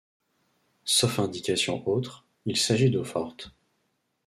Sauf indication autre, il s’agit d’eaux-fortes.